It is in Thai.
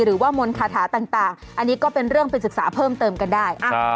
หรือว่ามนต์คาถาต่างอันนี้ก็เป็นเรื่องเป็นศึกษาเพิ่มเติมกันได้